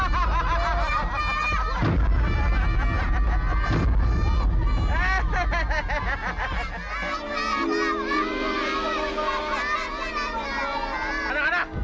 sudah di lapar